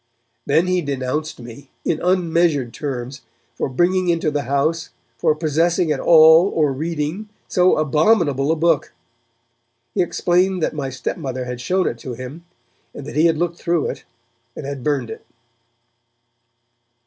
Then he denounced me, in unmeasured terms, for bringing into the house, for possessing at all or reading, so abominable a book. He explained that my stepmother had shown it to him, and that he had looked through it, and had burned it.